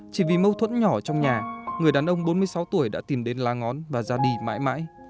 chỉ vì mâu thuẫn nhỏ trong nhà người đàn ông bốn mươi sáu tuổi đã tìm đến lá ngón và ra đi mãi mãi